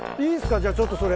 じゃあちょっとそれ。